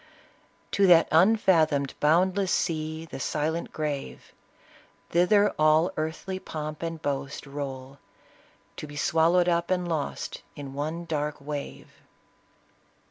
To that unfathomed, boundless sea, The silent grave 1 Thither all earthly pomp and boast Roll, to be swallowed up and lost In one dark wave."